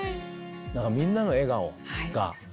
みんなの笑顔が。